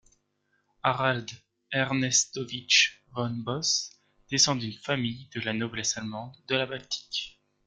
Harald Ernestovitch von Bosse descend d'une famille de la noblesse allemande de la Baltique.